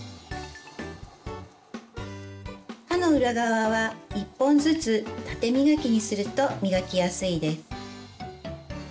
歯の裏側は１本ずつ縦磨きにすると磨きやすいです。